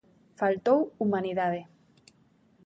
Faltou humanidade.